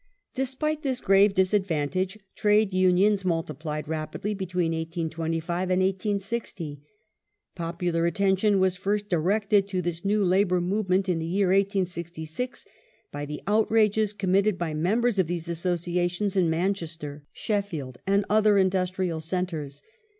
Despite this grave disadvantage. Trades Unions multiplied rapidly between 1825 and 1860. Popular attention was fii^st directed to this new Labour movement in the year 1866 by the outrages committed by members of these associations in Manchester, Sheffield, and other industrial centres.